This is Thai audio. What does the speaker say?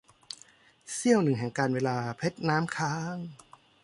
เสี้ยวหนึ่งแห่งกาลเวลา - เพชรน้ำค้าง